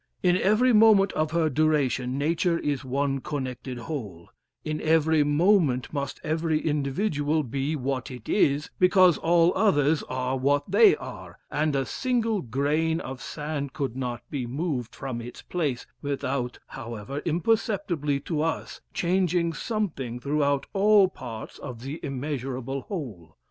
In every moment of her duration nature is one connected whole, in every moment must every individual be what it is because all others are what they are, and a single grain of sand could not be moved from its place, without, however imperceptibly to us, changing something throughout all parts of the immeasurable whole.